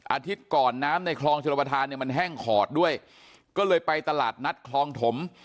อาทิตย์ก่อนน้ำในคลองชลประธานเนี่ยมันแห้งขอดด้วยก็เลยไปตลาดนัดคลองถม